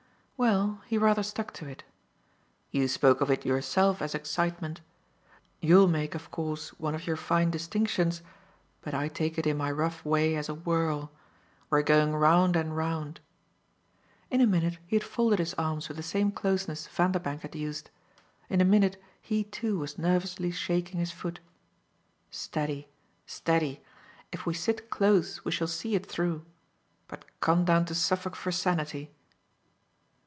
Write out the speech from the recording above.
Well, he rather stuck to it. "You spoke of it yourself as excitement. You'll make of course one of your fine distinctions, but I take it in my rough way as a whirl. We're going round and round." In a minute he had folded his arms with the same closeness Vanderbank had used in a minute he too was nervously shaking his foot. "Steady, steady; if we sit close we shall see it through. But come down to Suffolk for sanity."